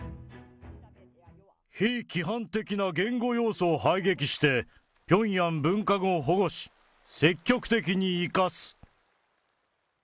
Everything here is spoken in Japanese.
非規範的な言語要素を排撃して、ピョンヤン文化語を保護し、積極的に生かす。